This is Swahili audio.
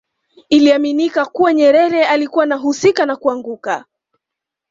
Iliaminika kuwa Nyerere alikuwa anahusika na kuanguka